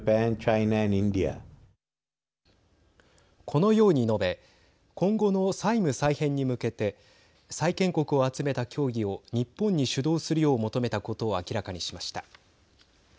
このように述べ今後の債務再編に向けて債権国を集めた協議を日本に主導するよう求めたことを明らかにしました。